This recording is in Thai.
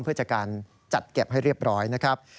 เพื่อจัดการจัดเก็บให้เรียบร้อยนะครับ